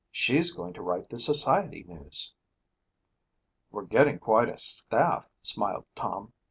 She's going to write the society news." "We're getting quite a staff," smiled Tom.